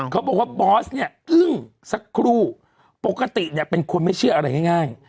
เขาบอกว่าบอสเนี่ยอึ้งสักครู่ปกติเนี่ยเป็นคนไม่เชื่ออะไรง่าย